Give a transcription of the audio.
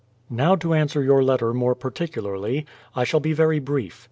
Now to answer your letter more particularly; I shall be very brief.